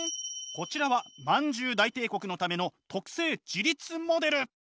こちらはまんじゅう大帝国のための特製自律モデル！